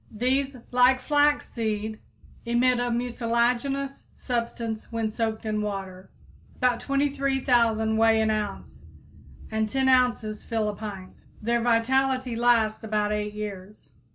These, like flaxseed, emit a mucilaginous substance when soaked in water. About 23,000 weigh an ounce, and 10 ounces fill a pint. Their vitality lasts about eight years.